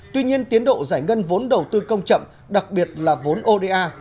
tuy nhiên tiến độ giải ngân vốn đầu tư công chậm đặc biệt là vốn oda